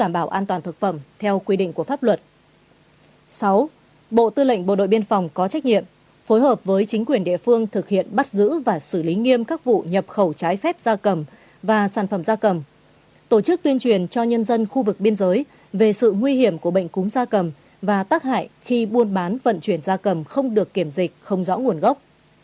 sáu bộ tư lệnh bộ đội biên phòng có trách nhiệm phối hợp với chính quyền địa phương thực hiện bắt giữ và xử lý nghiêm các vụ nhập khẩu trái phép gia cầm và sản phẩm gia cầm tổ chức tuyên truyền cho nhân dân khu vực biên giới về sự nguy hiểm của bệnh cúm gia cầm và tác hại khi buôn bán vận chuyển gia cầm không được kiểm dịch không rõ nguồn gốc